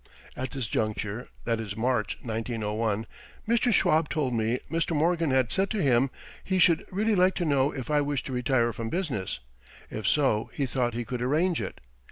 At this juncture that is March, 1901 Mr. Schwab told me Mr. Morgan had said to him he should really like to know if I wished to retire from business; if so he thought he could arrange it.